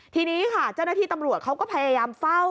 ทีนี้ค่ะเจ้าหน้าที่ตำรวจเขาก็พยายามเฝ้า